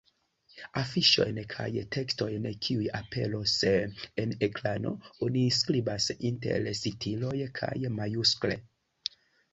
Afiŝojn kaj tekstojn kiuj aperos en ekrano oni skribas inter sitiloj kaj majuskle.